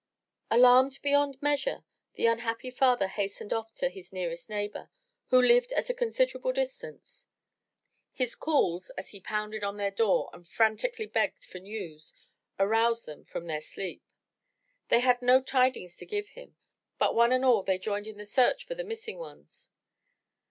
Alarmed beyond measure, the unhappy father hastened off to his nearest neighbor, who lived at a considerable distance. His calls, as he pounded on their door and frantically begged for news, aroused them from their sleep. They had no tidings to give him, but one and all, they joined in the search for the missing ones.